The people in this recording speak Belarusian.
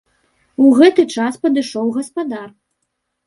У гэты час падышоў гаспадар.